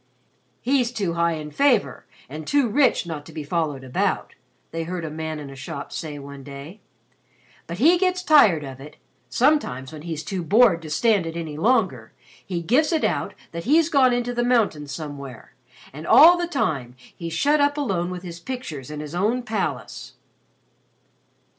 "He's too high in favor and too rich not to be followed about," they heard a man in a shop say one day, "but he gets tired of it. Sometimes, when he's too bored to stand it any longer, he gives it out that he's gone into the mountains somewhere, and all the time he's shut up alone with his pictures in his own palace."